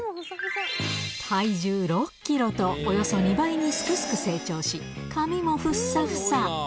体重６キロと、およそ２倍にすくすく成長し、髪もふっさふさ。